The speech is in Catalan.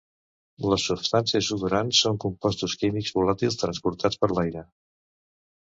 Les substàncies odorants són compostos químics volàtils transportats per l'aire.